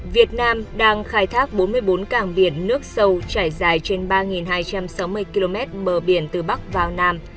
việt nam đang khai thác bốn mươi bốn cảng biển nước sâu trải dài trên ba hai trăm sáu mươi km bờ biển từ bắc vào nam